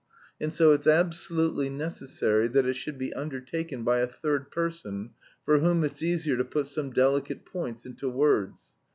And so it's absolutely necessary that it should be undertaken by a third person, for whom it's easier to put some delicate points into words.